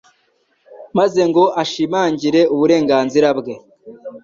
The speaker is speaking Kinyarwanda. maze ngo ashimangire uburenganzira bwe ?